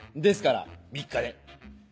ですから３日で。